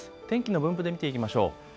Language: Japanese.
天気の分布で見ていきましょう。